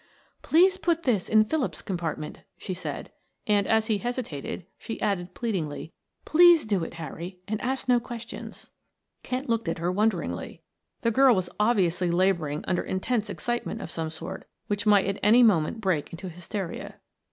"Please put this in Philip's compartment," she said, and as he hesitated, she added pleadingly, "Please do it, Harry, and ask no questions." Kent looked at her wonderingly; the girl was obviously laboring under intense excitement of some sort, which might at any moment break into hysteria.